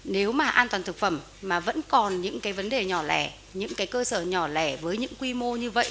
nếu mà an toàn thực phẩm mà vẫn còn những cái vấn đề nhỏ lẻ những cái cơ sở nhỏ lẻ với những quy mô như vậy